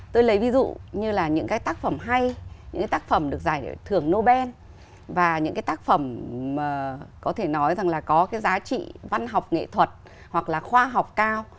tôi lấy ví dụ như là những cái tác phẩm hay những cái tác phẩm được giải thưởng nobel và những cái tác phẩm có thể nói rằng là có cái giá trị văn học nghệ thuật hoặc là khoa học cao